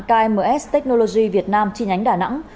kms technology việt nam chi nhánh đà nẵng